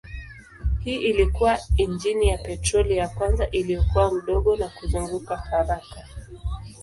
Hii ilikuwa injini ya petroli ya kwanza iliyokuwa ndogo na kuzunguka haraka.